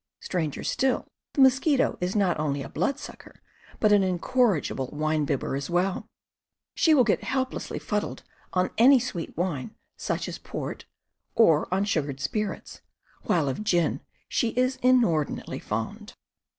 Stranger still, the mosquito is not only a bloodsucker but an incorrigible wine bibber as well — she will get helplessly fuddled on any sweet wine, such as port, or on sugared spirits, while of gin she is inordinately fond.